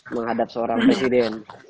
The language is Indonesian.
menghadap seorang presiden